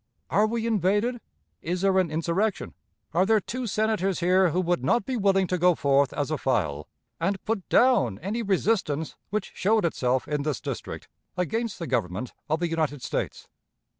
Are we invaded? Is there an insurrection? Are there two Senators here who would not be willing to go forth as a file, and put down any resistance which showed itself in this District against the Government of the United States?